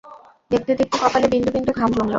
দেখতে-দেখতে কপালে বিন্দু-বিন্দু ঘাম জমল।